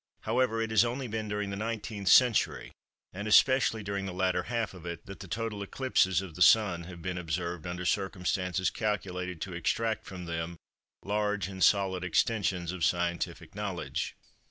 However, it has only been during the 19th century, and especially during the latter half of it, that total eclipses of the Sun have been observed under circumstances calculated to extract from them large and solid extensions of scientific knowledge.